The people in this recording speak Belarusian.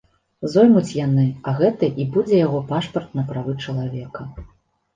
Зоймуць яны, а гэта і будзе яго пашпарт на правы чалавека.